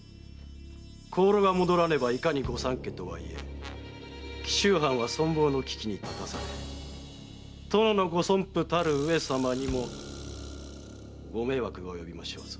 香炉が戻らねばいかに御三家とはいえ紀州藩は存亡の危機に立たされ殿のご尊父たる上様にもご迷惑が及びましょうぞ。